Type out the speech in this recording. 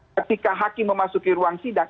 ketika hakim memasuki ruang sidang